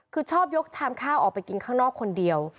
คือชอบยกชามข้าวออกไปกินข้างนอกคนเดียว